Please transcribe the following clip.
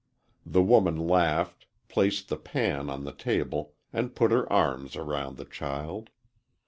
The woman laughed, placed the pan on the table, and put her arms around the child.